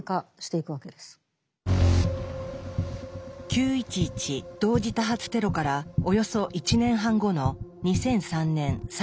９．１１同時多発テロからおよそ１年半後の２００３年３月。